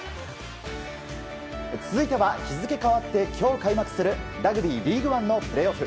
続いては、日付変わって今日開幕するラグビーリーグワンのプレーオフ。